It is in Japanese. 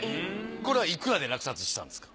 これはいくらで落札したんですか。